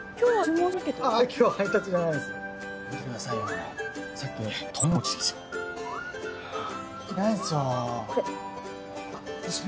はい！